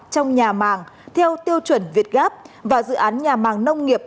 trong nhà màng theo tiêu chuẩn việt gáp và dự án nhà màng nông nghiệp